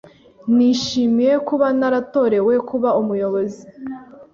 Nishimiye kuba naratorewe kuba umuyobozi.